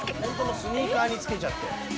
スニーカーに付けちゃって。